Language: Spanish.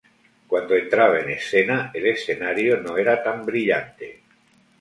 Cuando entraba en escena, el escenario no era tan brillante.